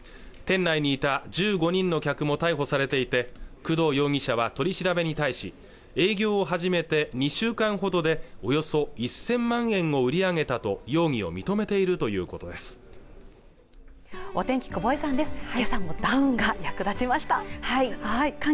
店内にいた１５人の客も逮捕されていて工藤容疑者は取り調べに対し営業を始めて２週間ほどでおよそ１０００万円を売り上げたと容疑を認めているということです